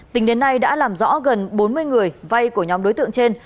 tính đến nay đã làm rõ gần bốn mươi người vay của nhóm đối tượng trên